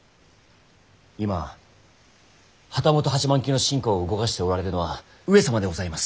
今旗本８万騎の臣下を動かしておられるのは上様でございます。